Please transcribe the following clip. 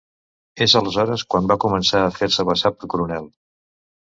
És aleshores quan va començar a fer-se passar per coronel.